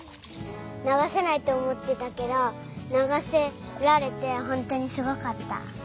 ながせないっておもってたけどながせられてほんとにすごかった。